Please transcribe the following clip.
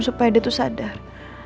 supaya dia tuh sadar